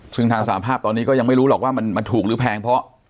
ซึ่งทางสาภาพตอนนี้ก็ยังไม่รู้หรอกว่ามันถูกหรือแพงเพราะ